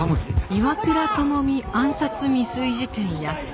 岩倉具視暗殺未遂事件や。